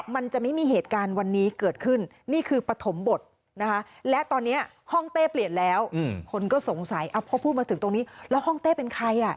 มันจะไม่มีเหตุการณ์วันนี้เกิดขึ้นนี่คือปฐมบทนะคะและตอนนี้ห้องเต้เปลี่ยนแล้วคนก็สงสัยพอพูดมาถึงตรงนี้แล้วห้องเต้เป็นใครอ่ะ